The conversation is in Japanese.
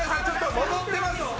ちょっと戻ってます。